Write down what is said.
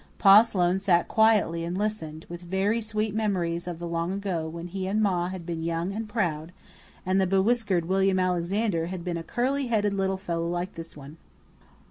Pa Sloane sat quietly and listened, with very sweet memories of the long ago, when he and Ma had been young and proud, and the bewhiskered William Alexander had been a curly headed little fellow like this one.